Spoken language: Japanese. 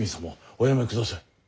おやめください。